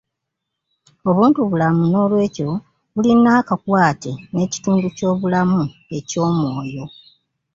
Obuntubulamu n'olwekyo bulina akakwate n'ekitundu ky'obulamu eky'omwoyo